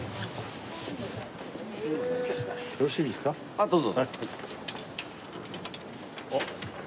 あっどうぞ。